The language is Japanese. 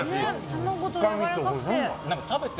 卵もやわらかくて。